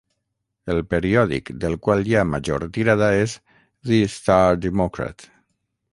El periòdic del qual hi ha major tirada és "The Star Democrat".